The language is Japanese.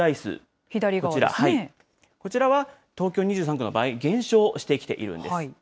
こちらは東京２３区の場合、減少してきているんです。